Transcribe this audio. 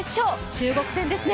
中国戦ですね。